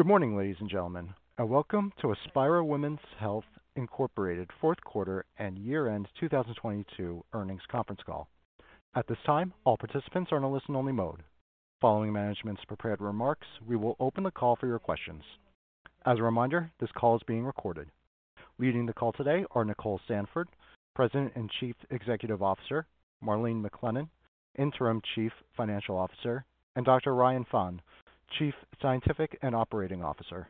Good morning, ladies and gentlemen, and welcome to Aspira Women's Health Inc. fourth quarter and year-end 2022 earnings conference call. At this time, all participants are in a listen-only mode. Following management's prepared remarks, we will open the call for your questions. As a reminder, this call is being recorded. Leading the call today are Nicole Sandford, President and Chief Executive Officer, Marlene McLennan, Interim Chief Financial Officer, and Dr. Ryan Phan, Chief Scientific and Operating Officer.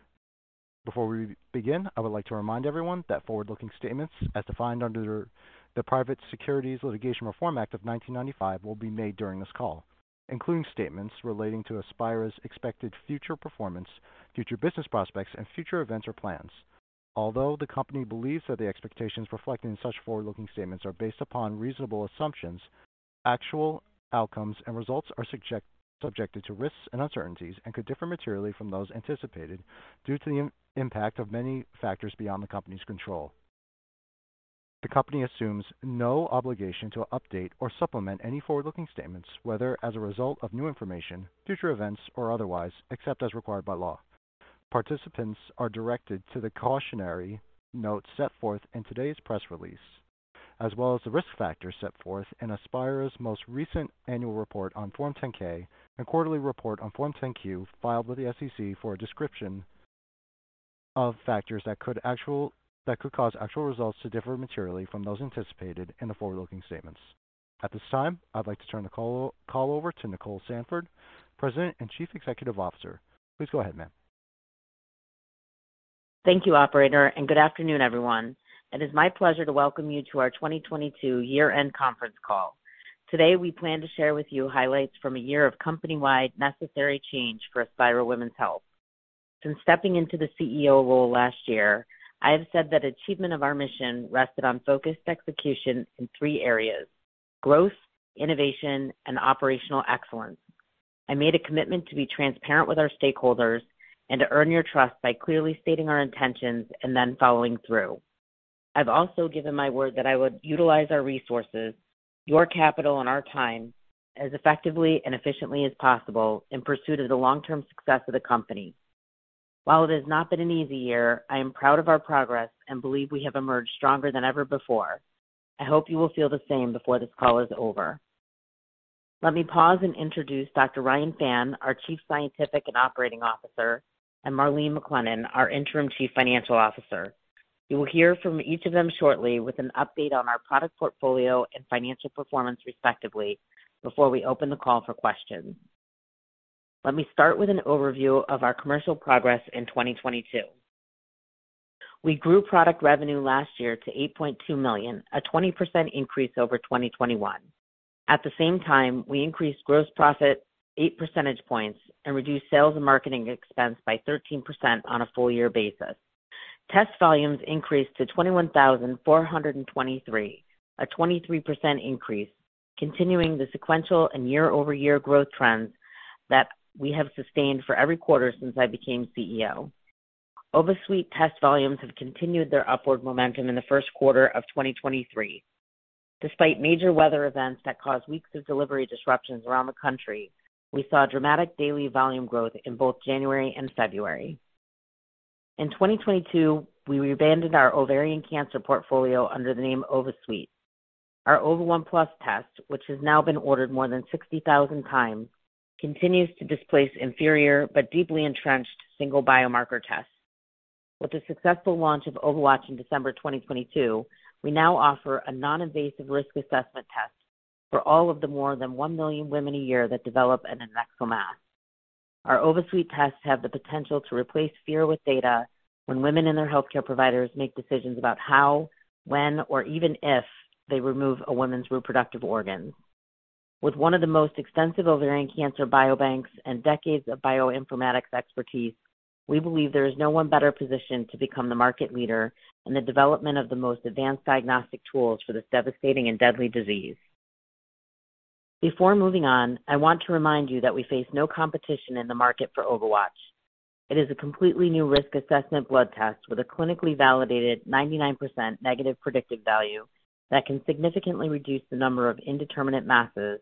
Before we begin, I would like to remind everyone that forward-looking statements as defined under the Private Securities Litigation Reform Act of 1995 will be made during this call, including statements relating to Aspira's expected future performance, future business prospects, and future events or plans. Although the Company believes that the expectations reflected in such forward-looking statements are based upon reasonable assumptions, actual outcomes and results are subject to risks and uncertainties and could differ materially from those anticipated due to the impact of many factors beyond the Company's control. The Company assumes no obligation to update or supplement any forward-looking statements, whether as a result of new information, future events, or otherwise, except as required by law. Participants are directed to the cautionary notes set forth in today's press release, as well as the risk factors set forth in Aspira's most recent annual report on Form 10-K and quarterly report on Form 10-Q filed with the SEC for a description of factors that could cause actual results to differ materially from those anticipated in the forward-looking statements. At this time, I'd like to turn the call over to Nicole Sandford, President and Chief Executive Officer. Please go ahead, ma'am. Thank you, operator, and good afternoon, everyone. It is my pleasure to welcome you to our 2022 year-end conference call. Today, we plan to share with you highlights from a year of company-wide necessary change for Aspira Women's Health. Since stepping into the CEO role last year, I have said that achievement of our mission rested on focused execution in three areas: growth, innovation, and operational excellence. I made a commitment to be transparent with our stakeholders and to earn your trust by clearly stating our intentions and then following through. I've also given my word that I would utilize our resources, your capital, and our time as effectively and efficiently as possible in pursuit of the long-term success of the company. While it has not been an easy year, I am proud of our progress and believe we have emerged stronger than ever before. I hope you will feel the same before this call is over. Let me pause and introduce Dr. Ryan Phan, our Chief Scientific and Operating Officer, and Marlene McLennan, our Interim Chief Financial Officer. You will hear from each of them shortly with an update on our product portfolio and financial performance, respectively, before we open the call for questions. Let me start with an overview of our commercial progress in 2022. We grew product revenue last year to $8.2 million, a 20% increase over 2021. At the same time, we increased gross profit 8 percentage points and reduced sales and marketing expense by 13% on a full year basis. Test volumes increased to 21,423, a 23% increase, continuing the sequential and year-over-year growth trends that we have sustained for every quarter since I became CEO. OvaSuite test volumes have continued their upward momentum in the first quarter of 2023. Despite major weather events that caused weeks of delivery disruptions around the country, we saw dramatic daily volume growth in both January and February. In 2022, we rebranded our ovarian cancer portfolio under the name OvaSuite. Our Ova1Plus test, which has now been ordered more than 60,000 times, continues to displace inferior but deeply entrenched single biomarker tests. With the successful launch of OvaWatch in December 2022, we now offer a non-invasive risk assessment test for all of the more than 1 million women a year that develop an adnexal mass. Our OvaSuite tests have the potential to replace fear with data when women and their healthcare providers make decisions about how, when, or even if they remove a woman's reproductive organs. With one of the most extensive ovarian cancer biobanks and decades of bioinformatics expertise, we believe there is no one better positioned to become the market leader in the development of the most advanced diagnostic tools for this devastating and deadly disease. Before moving on, I want to remind you that we face no competition in the market for OvaWatch. It is a completely new risk assessment blood test with a clinically validated 99% negative predictive value that can significantly reduce the number of indeterminate masses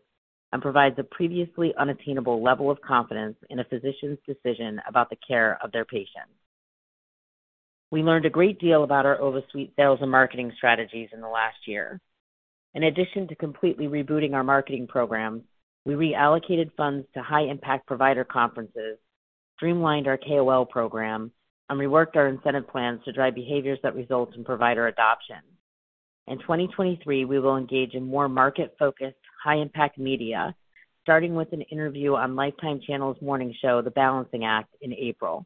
and provides a previously unattainable level of confidence in a physician's decision about the care of their patients. We learned a great deal about our OvaSuite sales and marketing strategies in the last year. In addition to completely rebooting our marketing program, we reallocated funds to high-impact provider conferences, streamlined our KOL program, and reworked our incentive plans to drive behaviors that result in provider adoption. In 2023, we will engage in more market-focused, high-impact media, starting with an interview on Lifetime's morning show, The Balancing Act, in April.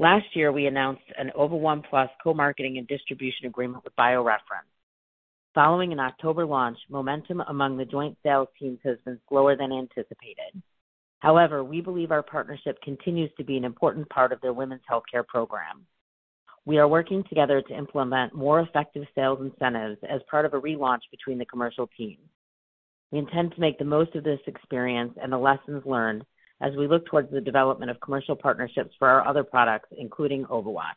Last year, we announced an Ova1Plus co-marketing and distribution agreement with BioReference. Following an October launch, momentum among the joint sales teams has been slower than anticipated. However, we believe our partnership continues to be an important part of their women's healthcare program. We are working together to implement more effective sales incentives as part of a relaunch between the commercial teams. We intend to make the most of this experience and the lessons learned as we look towards the development of commercial partnerships for our other products, including OvaWatch.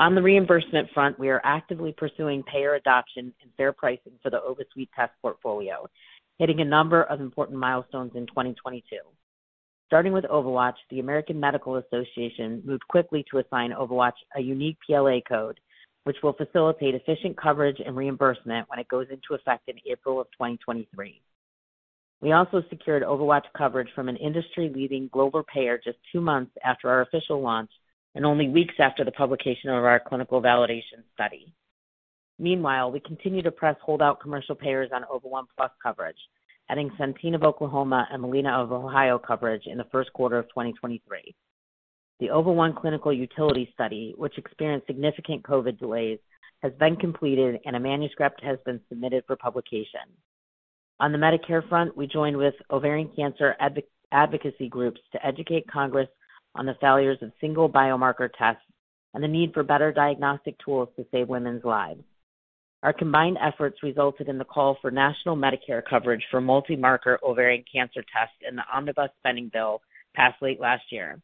On the reimbursement front, we are actively pursuing payer adoption and fair pricing for the OvaSuite test portfolio, hitting a number of important milestones in 2022. Starting with OvaWatch, the American Medical Association moved quickly to assign OvaWatch a unique PLA code, which will facilitate efficient coverage and reimbursement when it goes into effect in April of 2023. We also secured OvaWatch coverage from an industry-leading global payer just 2 months after our official launch and only weeks after the publication of our clinical validation study. Meanwhile, we continue to press holdout commercial payers on Ova1Plus coverage, adding Centene of Oklahoma and Molina of Ohio coverage in the first quarter of 2023. The Ova1 clinical utility study, which experienced significant COVID delays, has been completed, and a manuscript has been submitted for publication. On the Medicare front, we joined with ovarian cancer advocacy groups to educate Congress on the failures of single biomarker tests and the need for better diagnostic tools to save women's lives. Our combined efforts resulted in the call for national Medicare coverage for multi-marker ovarian cancer tests, and the omnibus spending bill passed late last year.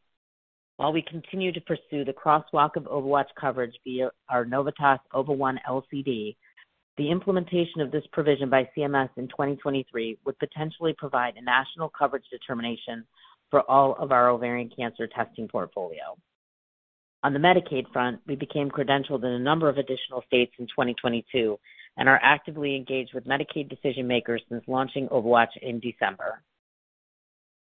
While we continue to pursue the crosswalk of OvaWatch coverage via our Novitas Ova1 LCD, the implementation of this provision by CMS in 2023 would potentially provide a national coverage determination for all of our ovarian cancer testing portfolio. On the Medicaid front, we became credentialed in a number of additional states in 2022 and are actively engaged with Medicaid decision-makers since launching OvaWatch in December.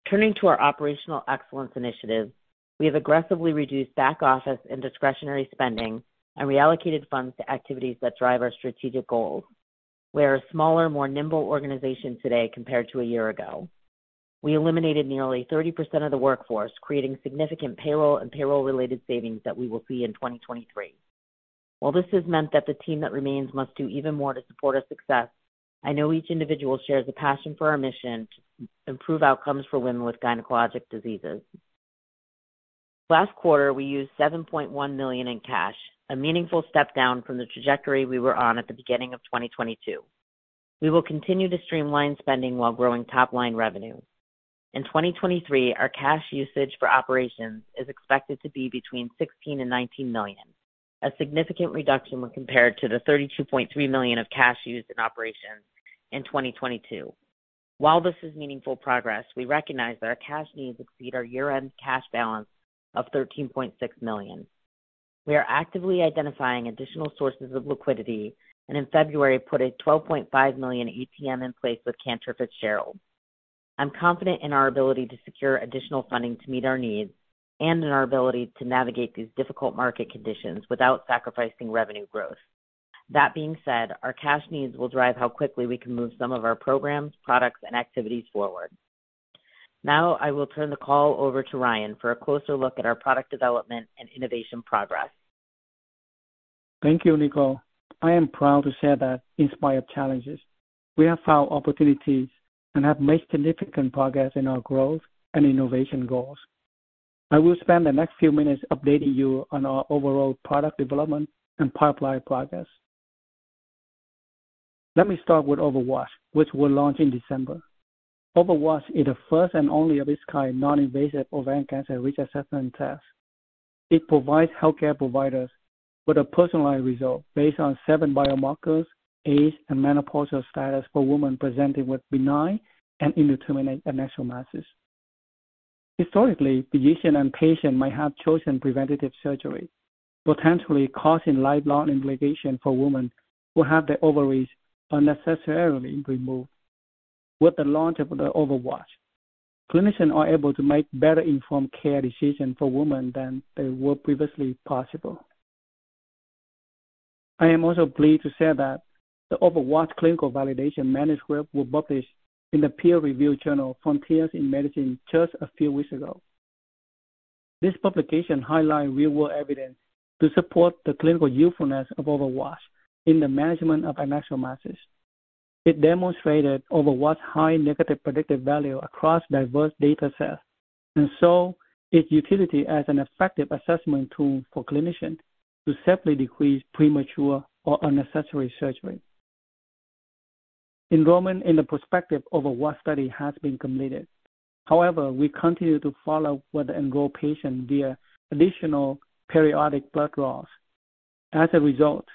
Turning to our operational excellence initiatives, we have aggressively reduced back office and discretionary spending and reallocated funds to activities that drive our strategic goals. We are a smaller, more nimble organization today compared to a year ago. We eliminated nearly 30% of the workforce, creating significant payroll and payroll-related savings that we will see in 2023. While this has meant that the team that remains must do even more to support our success, I know each individual shares a passion for our mission to improve outcomes for women with gynecologic diseases. Last quarter, we used $7.1 million in cash, a meaningful step down from the trajectory we were on at the beginning of 2022. We will continue to streamline spending while growing top-line revenue. In 2023, our cash usage for operations is expected to be between $16 million and $19 million, a significant reduction when compared to the $32.3 million of cash used in operations in 2022. While this is meaningful progress, we recognize that our cash needs exceed our year-end cash balance of $13.6 million. We are actively identifying additional sources of liquidity and in February put a $12.5 million ATM in place with Cantor Fitzgerald. I'm confident in our ability to secure additional funding to meet our needs and in our ability to navigate these difficult market conditions without sacrificing revenue growth. Our cash needs will drive how quickly we can move some of our programs, products, and activities forward. I will turn the call over to Ryan for a closer look at our product development and innovation progress. Thank you, Nicole. I am proud to say that in spite of challenges, we have found opportunities and have made significant progress in our growth and innovation goals. I will spend the next few minutes updating you on our overall product development and pipeline progress. Let me start with OvaWatch, which we launched in December. OvaWatch is the first and only of its kind non-invasive ovarian cancer risk assessment test. It provides healthcare providers with a personalized result based on seven biomarkers, age, and menopausal status for women presenting with benign and indeterminate adnexal masses. Historically, physician and patient might have chosen preventative surgery, potentially causing lifelong implications for women who have their ovaries unnecessarily removed. With the launch of the OvaWatch, clinicians are able to make better-informed care decisions for women than they were previously possible. I am also pleased to say that the OvaWatch clinical validation manuscript was published in the peer-reviewed journal Frontiers in Medicine just a few weeks ago. This publication highlights real-world evidence to support the clinical usefulness of OvaWatch in the management of adnexal masses. It demonstrated OvaWatch high negative predictive value across diverse data sets and saw its utility as an effective assessment tool for clinicians to safely decrease premature or unnecessary surgery. Enrollment in the prospective OvaWatch study has been completed. However, we continue to follow with the enrolled patients via additional periodic blood draws. As a result,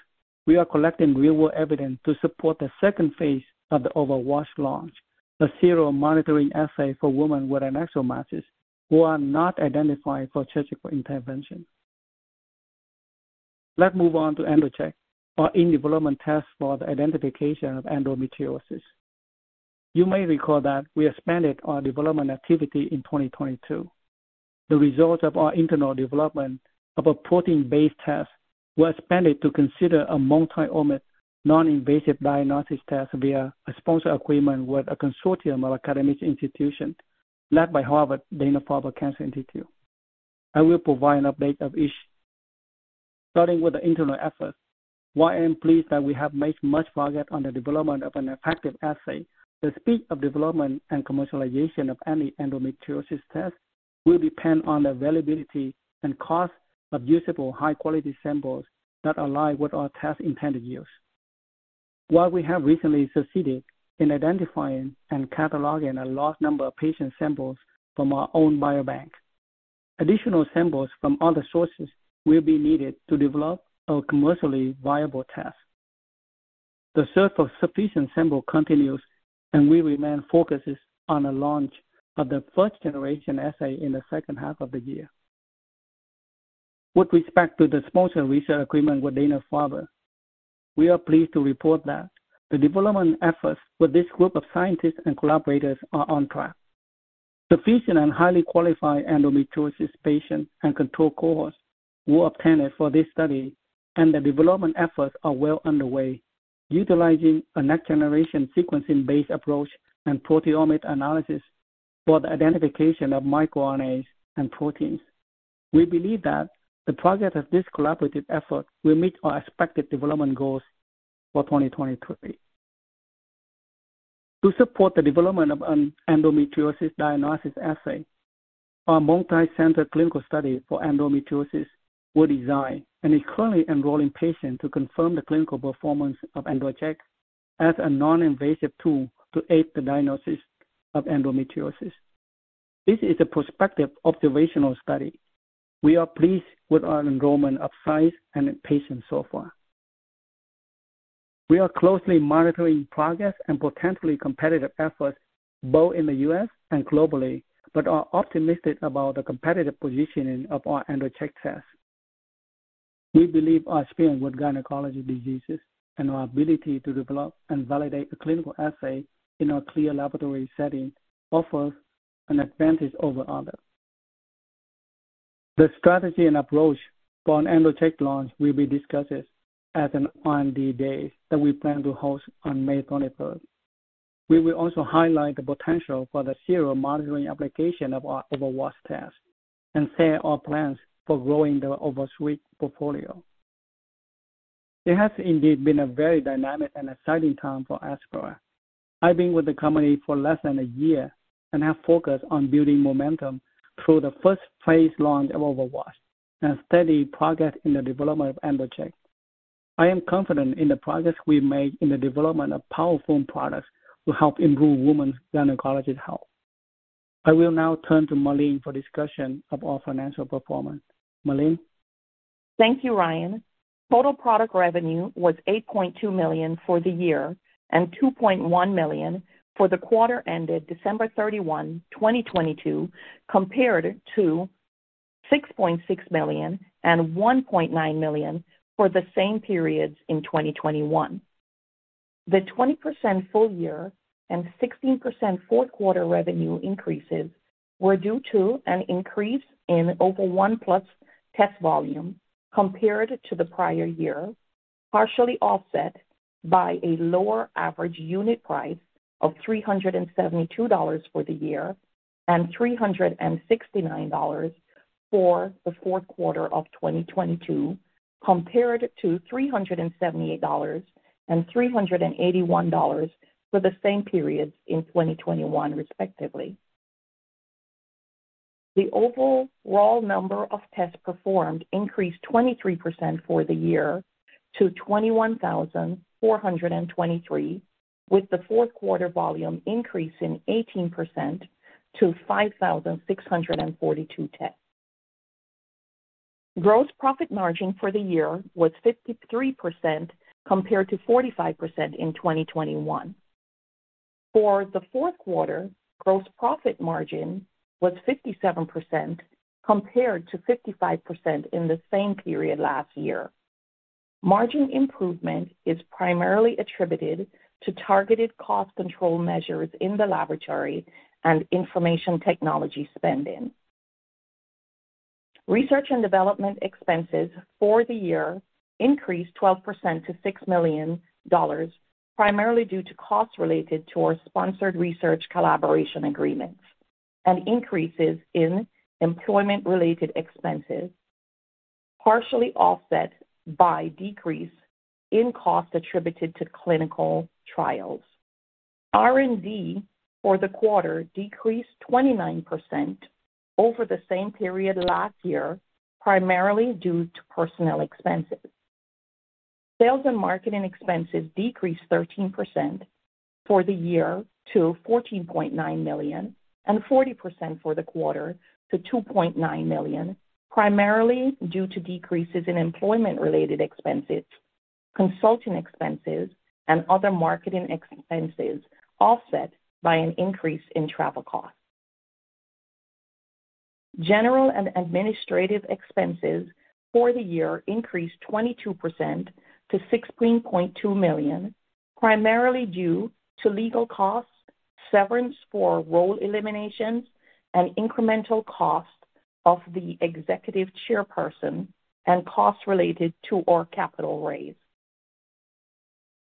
we are collecting real-world evidence to support the second phase of the OvaWatch launch, a serial monitoring assay for women with adnexal masses who are not identified for surgical intervention. Let's move on to EndoCheck, our in-development test for the identification of endometriosis. You may recall that we expanded our development activity in 2022. The results of our internal development of a protein-based test were expanded to consider a multi-omics non-invasive diagnostic test via a sponsor agreement with a consortium of academic institutions led by Harvard Dana-Farber Cancer Institute. I will provide an update of each. Starting with the internal efforts, while I am pleased that we have made much progress on the development of an effective assay, the speed of development and commercialization of any endometriosis test will depend on the availability and cost of usable high-quality samples that align with our test's intended use. While we have recently succeeded in identifying and cataloging a large number of patient samples from our own biobank, additional samples from other sources will be needed to develop a commercially viable test. The search for sufficient sample continues. We remain focused on the launch of the first generation assay in the second half of the year. With respect to the sponsored research agreement with Dana-Farber, we are pleased to report that the development efforts with this group of scientists and collaborators are on track. Sufficient and highly qualified endometriosis patient and control cohorts were obtained for this study. The development efforts are well underway, utilizing a next-generation sequencing-based approach and proteomic analysis for the identification of microRNAs and proteins. We believe that the progress of this collaborative effort will meet our expected development goals for 2023. To support the development of an endometriosis diagnosis assay, our multicenter clinical study for endometriosis was designed and is currently enrolling patients to confirm the clinical performance of EndoCheck as a non-invasive tool to aid the diagnosis of endometriosis. This is a prospective observational study. We are pleased with our enrollment of sites and patients so far. We are closely monitoring progress and potentially competitive efforts both in the U.S. and globally, but are optimistic about the competitive positioning of our EndoCheck test. We believe our experience with gynecology diseases and our ability to develop and validate a clinical assay in a CLIA laboratory setting offers an advantage over others. The strategy and approach for an EndoCheck launch will be discussed at an R&D Day that we plan to host on May 23rd. We will also highlight the potential for the serial monitoring application of our OvaWatch test and share our plans for growing the OvaSuite portfolio. It has indeed been a very dynamic and exciting time for Aspira. I've been with the company for less than a year and have focused on building momentum through the first phase launch of OvaWatch and steady progress in the development of EndoCheck. I am confident in the progress we've made in the development of powerful products to help improve women's gynecology health. I will now turn to Marlene for discussion of our financial performance. Marlene? Thank you, Ryan. Total product revenue was $8.2 million for the year and $2.1 million for the quarter ended December 31, 2022, compared to $6.6 million and $1.9 million for the same periods in 2021. The 20% full year and 16% fourth quarter revenue increases were due to an increase in Ova1Plus test volume compared to the prior year, partially offset by a lower average unit price of $372 for the year and $369 for the fourth quarter of 2022, compared to $378 and $381 for the same periods in 2021, respectively. The overall number of tests performed increased 23% for the year to 21,423, with the fourth quarter volume increase in 18% to 5,642 tests. Gross profit margin for the year was 53% compared to 45% in 2021. For the fourth quarter, gross profit margin was 57% compared to 55% in the same period last year. Margin improvement is primarily attributed to targeted cost control measures in the laboratory and information technology spending. Research and development expenses for the year increased 12% to $6 million, primarily due to costs related to our sponsored research collaboration agreements and increases in employment-related expenses, partially offset by decrease in cost attributed to clinical trials. R&D for the quarter decreased 29% over the same period last year, primarily due to personnel expenses. Sales and marketing expenses decreased 13% for the year to $14.9 million and 40% for the quarter to $2.9 million, primarily due to decreases in employment-related expenses, consulting expenses, and other marketing expenses, offset by an increase in travel costs. General and administrative expenses for the year increased 22% to $16.2 million, primarily due to legal costs, severance for role eliminations, and incremental costs of the executive chairperson and costs related to our capital raise.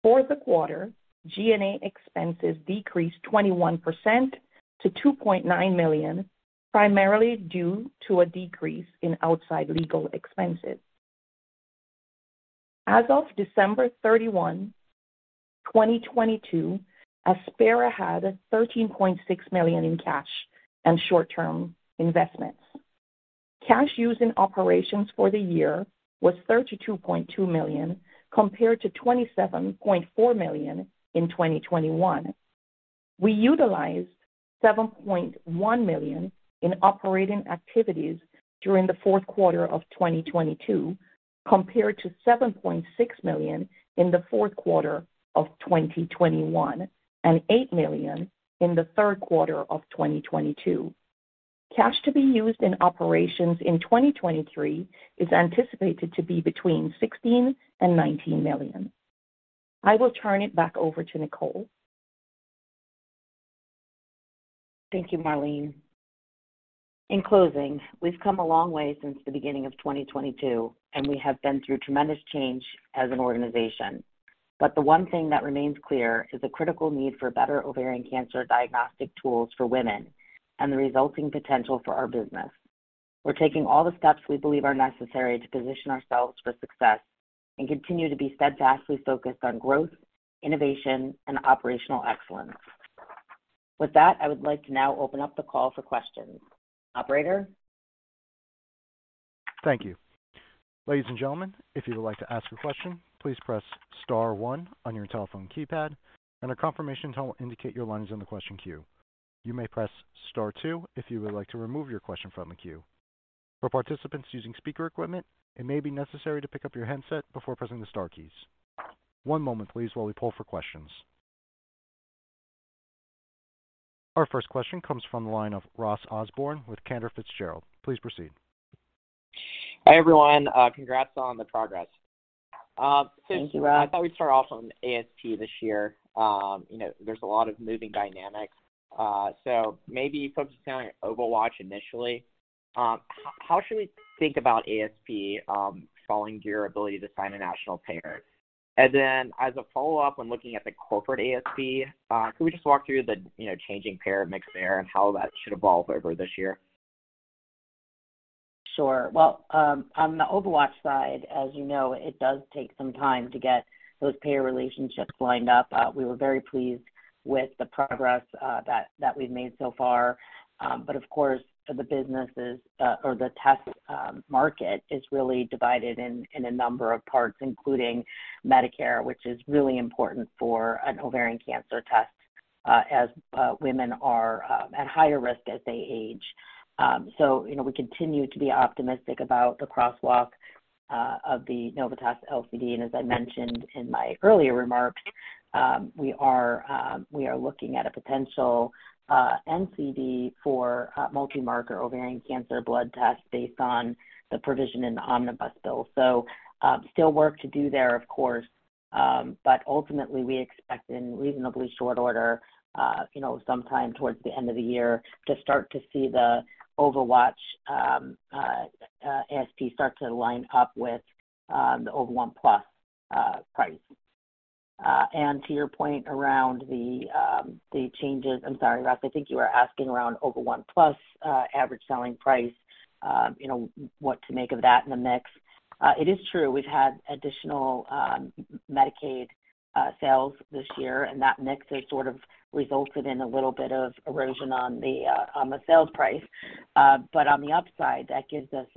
For the quarter, G&A expenses decreased 21% to $2.9 million, primarily due to a decrease in outside legal expenses. As of December 31, 2022, Aspira had $13.6 million in cash and short-term investments. Cash used in operations for the year was $32.2 million, compared to $27.4 million in 2021. We utilized $7.1 million in operating activities during the fourth quarter of 2022, compared to $7.6 million in the fourth quarter of 2021 and $8 million in the third quarter of 2022. Cash to be used in operations in 2023 is anticipated to be between $16 million and $19 million. I will turn it back over to Nicole. Thank you, Marlene. In closing, we've come a long way since the beginning of 2022, we have been through tremendous change as an organization. The one thing that remains clear is the critical need for better ovarian cancer diagnostic tools for women and the resulting potential for our business. We're taking all the steps we believe are necessary to position ourselves for success and continue to be steadfastly focused on growth, innovation, and operational excellence. With that, I would like to now open up the call for questions. Operator? Thank you. Ladies and gentlemen, if you would like to ask a question, please press * one on your telephone keypad. A confirmation tone will indicate your line is in the question queue. You may press * two if you would like to remove your question from the queue. For participants using speaker equipment, it may be necessary to pick up your handset before pressing the * keys. One moment please while we poll for questions. Our first question comes from the line of Ross Osborn with Cantor Fitzgerald. Please proceed. Hi, everyone. Congrats on the progress. Thank you, Ross. I thought we'd start off on ASP this year. You know, there's a lot of moving dynamics. Maybe focusing on OvaWatch initially, how should we think about ASP following your ability to sign a national payer? As a follow-up, when looking at the corporate ASP, can we just walk through the, you know, changing payer mix there and how that should evolve over this year? Sure. Well, on the OvaWatch side, as you know, it does take some time to get those payer relationships lined up. We were very pleased with the progress that we've made so far. Of course, the businesses, or the test market is really divided in a number of parts, including Medicare, which is really important for an ovarian cancer test, as women are at higher risk as they age. You know, we continue to be optimistic about the crosswalk of the Novitas LCD. As I mentioned in my earlier remarks, we are looking at a potential NCD for multimarker ovarian cancer blood test based on the provision in the Omnibus bill. Still work to do there, of course. Ultimately, we expect in reasonably short order, you know, sometime towards the end of the year, to start to see the OvaWatch ASP start to line up with the Ova1Plus price. To your point around the changes. I'm sorry, Ross, I think you were asking around Ova1Plus average selling price, you know, what to make of that in the mix. It is true we've had additional Medicaid sales this year, and that mix has sort of resulted in a little bit of erosion on the sales price. On the upside, that gives us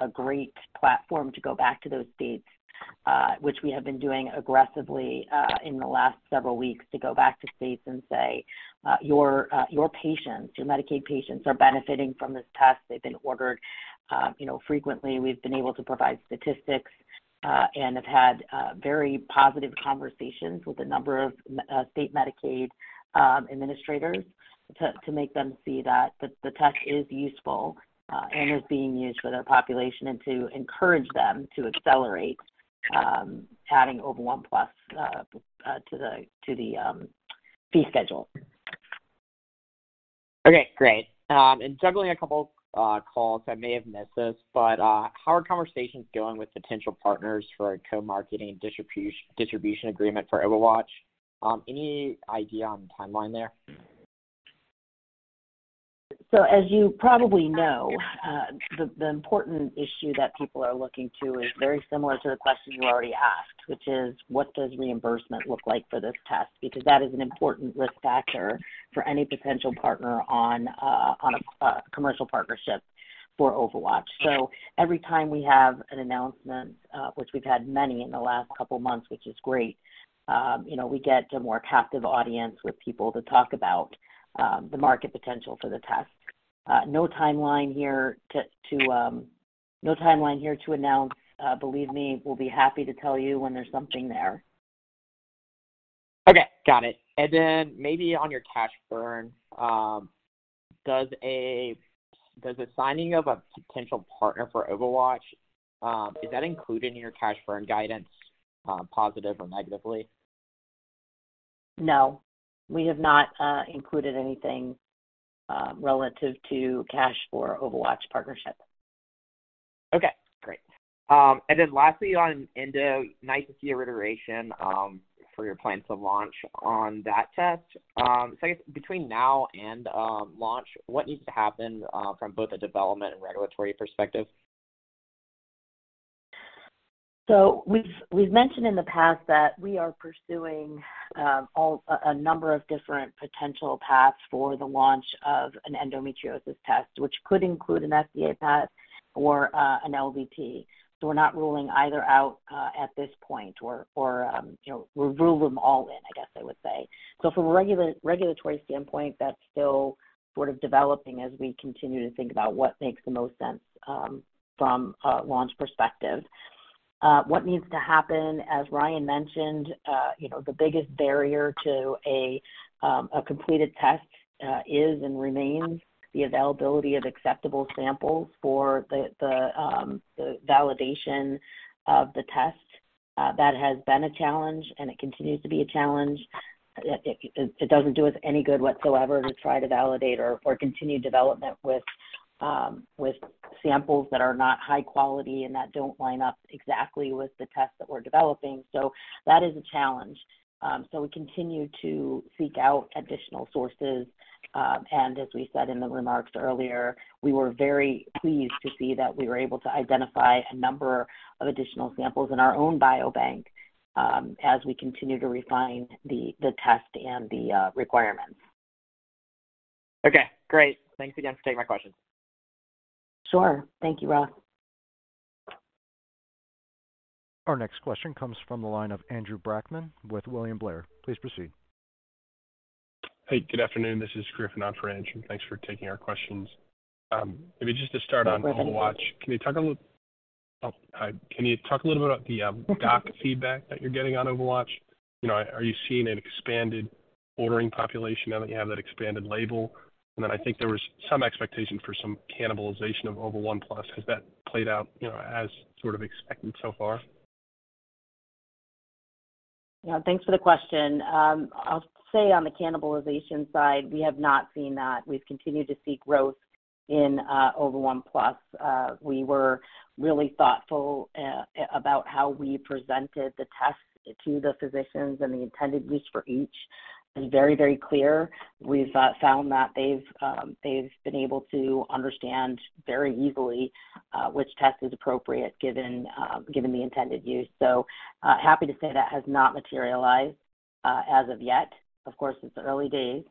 a great platform to go back to those states, which we have been doing aggressively in the last several weeks, to go back to states and say, "Your patients, your Medicaid patients are benefiting from this test. They've been ordered, you know, frequently." We've been able to provide statistics and have had very positive conversations with a number of state Medicaid administrators to make them see that the test is useful and is being used for their population, and to encourage them to accelerate adding OVA1+ to the fee schedule. Okay, great. juggling a couple calls, I may have missed this, but how are conversations going with potential partners for a co-marketing distribution agreement for OvaWatch? Any idea on the timeline there? As you probably know, the important issue that people are looking to is very similar to the question you already asked, which is: What does reimbursement look like for this test? Because that is an important risk factor for any potential partner on a commercial partnership for OvaWatch. Every time we have an announcement, which we've had many in the last couple of months, which is great, you know, we get a more captive audience with people to talk about the market potential for the test. No timeline here to announce. Believe me, we'll be happy to tell you when there's something there. Okay, got it. Maybe on your cash burn, does the signing of a potential partner for OvaWatch, is that included in your cash burn guidance, positively or negatively? No, we have not included anything relative to cash for OvaWatch partnership. Okay, great. Lastly on Endo, nice to see a reiteration for your plan to launch on that test. I guess between now and launch, what needs to happen from both a development and regulatory perspective? We've mentioned in the past that we are pursuing a number of different potential paths for the launch of an endometriosis test, which could include an FDA path or an LDT. We're not ruling either out at this point or, you know, we rule them all in, I guess I would say. From a regulatory standpoint, that's still sort of developing as we continue to think about what makes the most sense from a launch perspective. What needs to happen, as Ryan mentioned, you know, the biggest barrier to a completed test is and remains the availability of acceptable samples for the validation of the test. That has been a challenge, and it continues to be a challenge. It doesn't do us any good whatsoever to try to validate or continue development with samples that are not high quality and that don't line up exactly with the test that we're developing. That is a challenge. We continue to seek out additional sources, as we said in the remarks earlier, we were very pleased to see that we were able to identify a number of additional samples in our own biobank, as we continue to refine the test and the requirements. Okay, great. Thanks again for taking my questions. Sure. Thank you, Ross. Our next question comes from the line of Andrew Brackmann with William Blair. Please proceed. Hey, good afternoon. This is Griffin on for Andrew. Thanks for taking our questions. Maybe just to start on OvaWatch. Oh, hi. Can you talk a little bit about the doc feedback that you're getting on OvaWatch? You know, are you seeing an expanded ordering population now that you have that expanded label? I think there was some expectation for some cannibalization of Ova1Plus. Has that played out, you know, as sort of expected so far? Thanks for the question. I'll say on the cannibalization side, we have not seen that. We've continued to see growth in Ova1Plus. We were really thoughtful about how we presented the test to the physicians and the intended use for each and very, very clear. We've found that they've been able to understand very easily which test is appropriate given given the intended use. Happy to say that has not materialized as of yet. Of course, it's early days.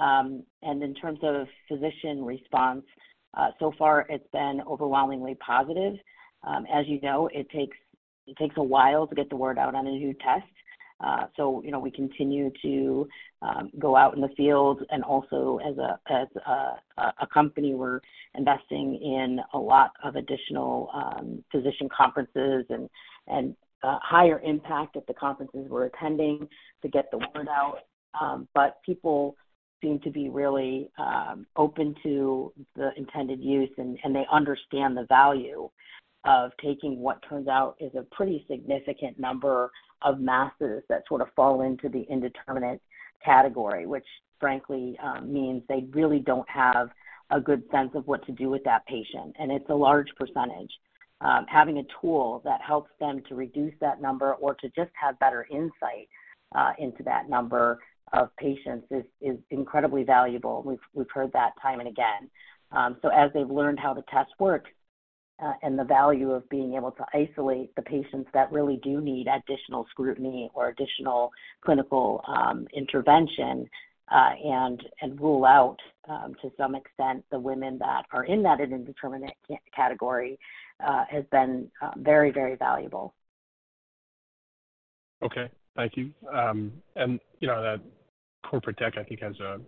In terms of physician response, so far it's been overwhelmingly positive. As you know, it takes a while to get the word out on a new test. You know, we continue to go out in the field and also as a company, we're investing in a lot of additional physician conferences and higher impact at the conferences we're attending to get the word out. People seem to be really open to the intended use, and they understand the value of taking what turns out is a pretty significant number of masses that sort of fall into the indeterminate category, which frankly, means they really don't have a good sense of what to do with that patient, and it's a large percentage. Having a tool that helps them to reduce that number or to just have better insight into that number of patients is incredibly valuable. We've heard that time and again. As they've learned how the test works, and the value of being able to isolate the patients that really do need additional scrutiny or additional clinical intervention, and rule out, to some extent, the women that are in that indeterminate category, has been very valuable. Okay. Thank you. You know, that corporate deck, I think, has a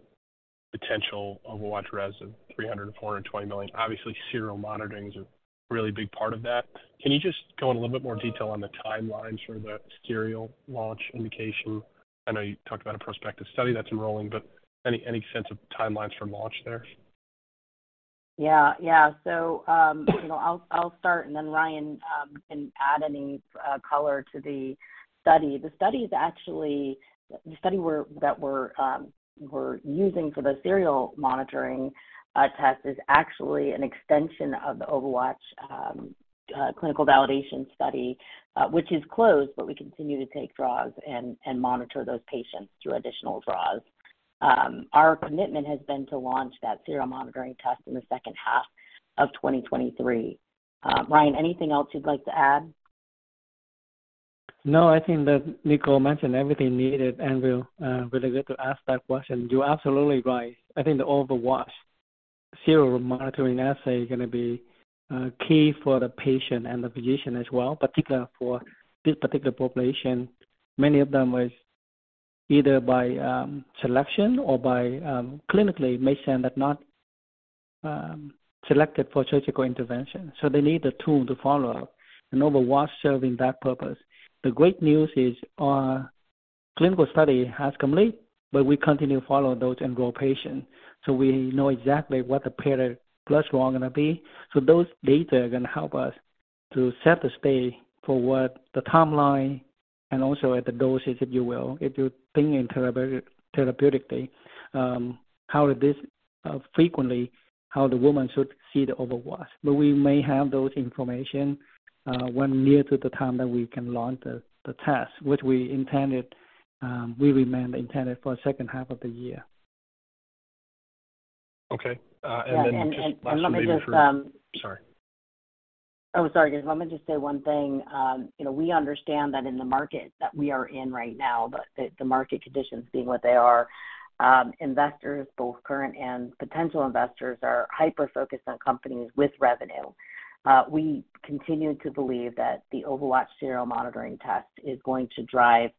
potential OvaWatch res of $300 million-$420 million. Obviously, serial monitoring is a really big part of that. Can you just go in a little bit more detail on the timelines for the serial launch indication? I know you talked about a prospective study that's enrolling, any sense of timelines for launch there? Yeah. Yeah. You know, I'll start and then Ryan can add any color to the study. The study is actually that we're using for the serial monitoring test is actually an extension of the OvaWatch clinical validation study which is closed, but we continue to take draws and monitor those patients through additional draws. Our commitment has been to launch that serial monitoring test in the second half of 2023. Ryan, anything else you'd like to add? I think that Nicole mentioned everything needed, and we're really good to ask that question. You're absolutely right. I think the OvaWatch serial monitoring assay is gonna be key for the patient and the physician as well, particular for this particular population. Many of them was either by selection or by clinically may say that not selected for surgical intervention, so they need the tool to follow up, and OvaWatch serving that purpose. The great news is our clinical study has complete, but we continue to follow those enroll patients, so we know exactly what the paired plus one gonna be. Those data are gonna help us to set the stage for what the timeline and also at the doses, if you will, if you're thinking therapeutically, frequently how the woman should see the OvaWatch. We may have those information, when near to the time that we can launch the test, which we intended, we remain intended for second half of the year. Okay. then just last one maybe for. Let me just. Sorry. Sorry, guys. Let me just say one thing. You know, we understand that in the market that we are in right now, the market conditions being what they are, investors, both current and potential investors, are hyper-focused on companies with revenue. We continue to believe that the OvaWatch serial monitoring test is going to drive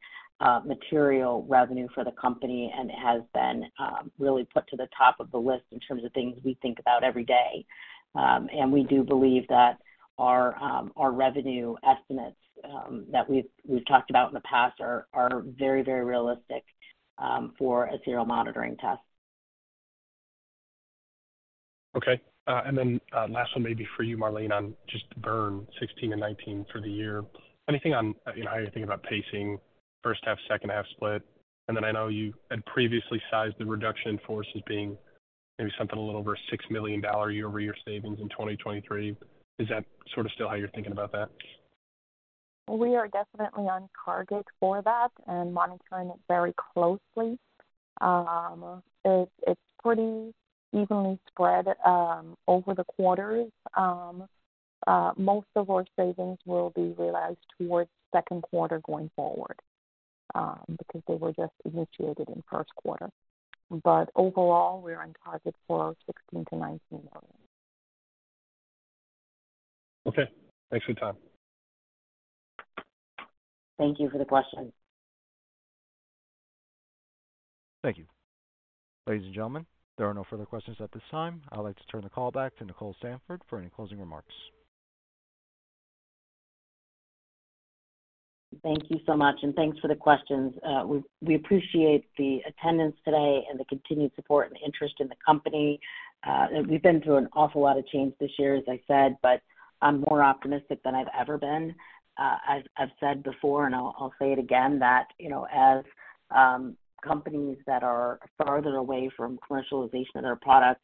material revenue for the company and has been really put to the top of the list in terms of things we think about every day. We do believe that our revenue estimates that we've talked about in the past are very, very realistic for a serial monitoring test. Okay. Last one maybe for you, Marlene, on just the burn $16 and $19 for the year. Anything on, you know, how you think about pacing first half, second half split? I know you had previously sized the reduction in force as being maybe something a little over $6 million year-over-year savings in 2023. Is that sort of still how you're thinking about that? We are definitely on target for that and monitoring it very closely. It's pretty evenly spread over the quarters. Most of our savings will be realized towards second quarter going forward because they were just initiated in first quarter. Overall, we're on target for $16 million-$19 million. Okay. Thanks for your time. Thank you for the question. Thank you. Ladies and gentlemen, there are no further questions at this time. I'd like to turn the call back to Nicole Sandford for any closing remarks. Thank you so much. Thanks for the questions. We appreciate the attendance today and the continued support and interest in the company. We've been through an awful lot of change this year, as I said. I'm more optimistic than I've ever been. As I've said before, I'll say it again, that, you know, as companies that are farther away from commercialization of their product,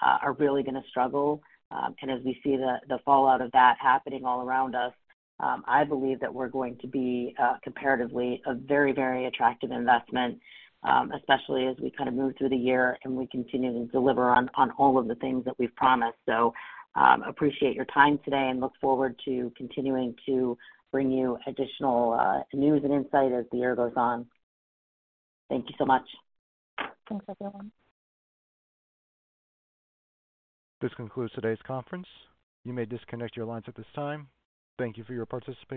are really gonna struggle, and as we see the fallout of that happening all around us, I believe that we're going to be comparatively a very, very attractive investment, especially as we kind of move through the year and we continue to deliver on all of the things that we've promised. Appreciate your time today and look forward to continuing to bring you additional news and insight as the year goes on. Thank you so much. Thanks, everyone. This concludes today's conference. You may disconnect your lines at this time. Thank you for your participation.